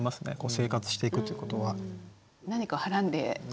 生活していくということは。